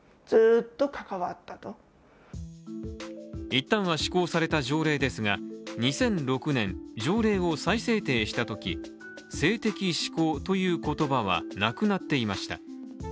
いったんは施行された条例ですが、２００６年条例を再制定したとき、性的指向という言葉はなくなっていました。